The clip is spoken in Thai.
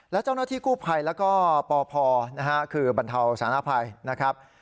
และเจ้าหน้าที่กู้ภัยแล้วก็ปพคือบรรเทาสารภัยนะครับ